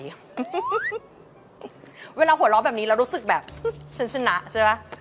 แล้วเวลาหัวเราะแบบนี้เรารู้สึกแบบเชิญนะใช่มั้ย